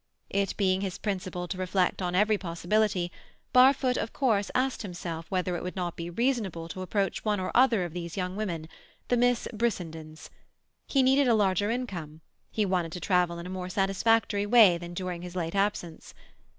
It being his principle to reflect on every possibility, Barfoot of course asked himself whether it would not be reasonable to approach one or other of these young women—the Miss Brissendens. He needed a larger income; he wanted to travel in a more satisfactory way than during his late absence.